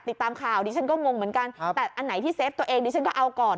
ติดตามข่าวดิฉันก็งงเหมือนกันแต่อันไหนที่เฟฟตัวเองดิฉันก็เอาก่อน